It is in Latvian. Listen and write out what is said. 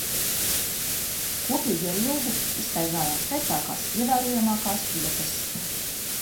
Kopīgi ar Ilgu izstaigājam skaistākās, ievērojamākās vietas.